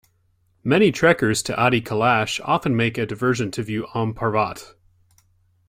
Many trekkers to Adi Kailash often make a diversion to view Om Parvat.